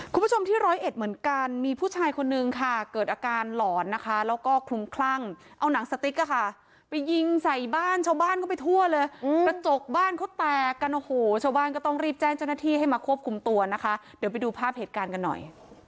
คุณผู้ชมที่ร้อยเอ็ดเหมือนกันมีผู้ชายคนนึงค่ะเกิดอาการหลอนนะคะแล้วก็คลุมคลั่งเอาหนังสติ๊กอะค่ะไปยิงใส่บ้านชาวบ้านเข้าไปทั่วเลยกระจกบ้านเขาแตกกันโอ้โหชาวบ้านก็ต้องรีบแจ้งเจ้าหน้าที่ให้มาควบคุมตัวนะคะเดี๋ยวไปดูภาพเหตุการณ์กันหน่อย